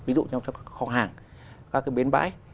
ví dụ trong các kho hàng các bến bãi